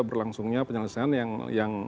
berlangsungnya penyelesaian yang